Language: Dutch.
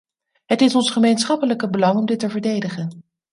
Het is ons gemeenschappelijke belang om dit te verdedigen.